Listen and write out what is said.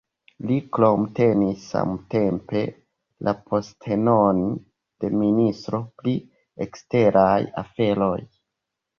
Li krome tenis samtempe la postenon de Ministro pri eksteraj aferoj.